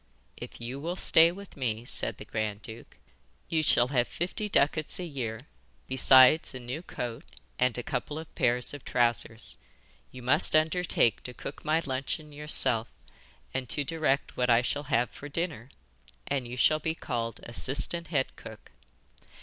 'If you will stay with me,' said the grand duke, 'you shall have fifty ducats a year, besides a new coat and a couple of pairs of trousers. You must undertake to cook my luncheon yourself and to direct what I shall have for dinner, and you shall be called assistant head cook.